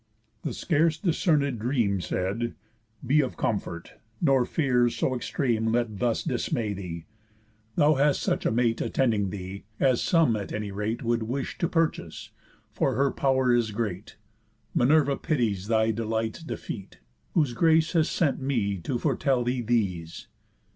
The scarce discernéd Dream, Said: "Be of comfort, nor fears so extreme Let thus dismay thee; thou hast such a mate Attending thee, as some at any rate Would wish to purchase, for her pow'r is great; Minerva pities thy delights' defeat, Whose grace hath sent me to foretell thee these."